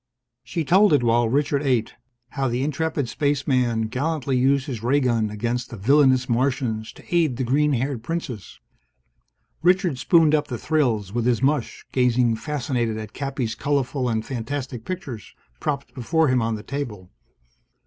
She told it while Richard ate: how the intrepid Spaceman gallantly used his ray gun against the villainous Martians to aid the green haired Princess. Richard spooned up the thrills with his mush, gazing fascinated at Cappy's colorful and fantastic pictures, propped before him on the table.